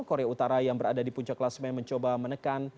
korea utara yang berada di puncak kelas main mencoba menekan